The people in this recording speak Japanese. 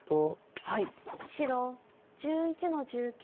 白１１の十九。